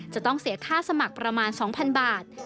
จะต้องเสียค่าสมัครประมาณ๒๐๐๐บาท